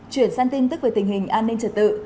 chuyển sang tin tức về tình hình an ninh trật tự